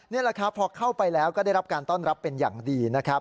นี่แหละครับพอเข้าไปแล้วก็ได้รับการต้อนรับเป็นอย่างดีนะครับ